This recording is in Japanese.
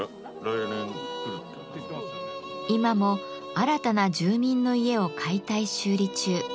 今も新たな住民の家を解体修理中。